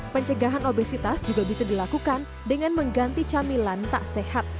pencegahan obesitas juga bisa dilakukan dengan mengganti camilan tak sehat